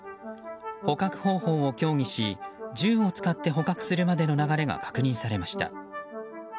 捕獲方法を協議し銃を使って捕獲するまでの流れが確認されました。